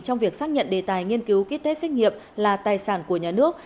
trong việc xác nhận đề tài nghiên cứu ký test xét nghiệm là tài sản của nhà nước